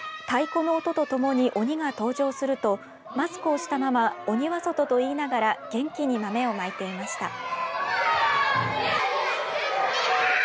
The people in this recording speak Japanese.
太鼓の音とともに鬼が登場するとマスクをしたまま鬼は外と言いながら元気に豆をまいていました。